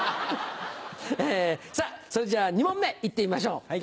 えさぁそれじゃあ２問目行ってみましょう。